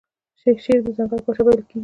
شیر د ځنګل پاچا بلل کیږي